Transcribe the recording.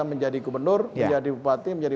menjadi gubernur menjadi bupati menjadi